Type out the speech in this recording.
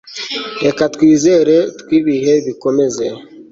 Reka kwizera kwibihe bikomeze